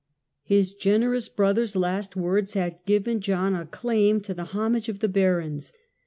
His generous brother's last words had given John a claim to the homage of the barons.